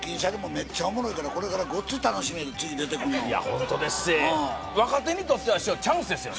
メッチャおもろいからこれからごっつい楽しみ次出てくんのいやホントでっせ若手にとっては師匠チャンスですよね